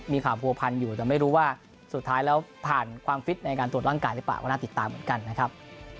มีข่าวผัวพันอยู่แต่ไม่รู้ว่าสุดท้ายแล้วผ่านความฟิตในการตรวจร่างกายหรือเปล่าก็น่าติดตามเหมือนกันนะครับ